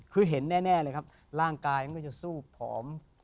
คือเห็นแน่เลยครับร่างกายมันก็จะสู้ผอม